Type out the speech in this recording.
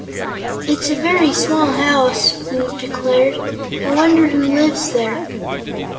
"It's a very small house," Woot declared. "I wonder who lives there?"